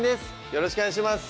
よろしくお願いします